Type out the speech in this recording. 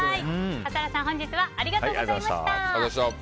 笠原さん、本日はありがとうございました。